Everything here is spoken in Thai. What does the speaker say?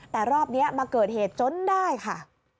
แต่รอบนี้มาเกิดเหตุจนได้ค่ะ